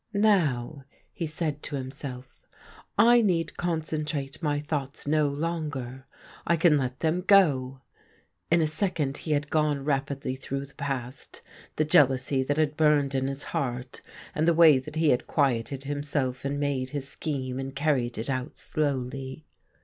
' Now,' he said to himself, ' I need concentrate my thoughts no longer — I can let them 62 THE GREEN LIGHT go.' In a second he had gone rapidly through the past — the jealousy that had burned in his heart, and the way that he had quieted himself and made his scheme, and carried it out slowly.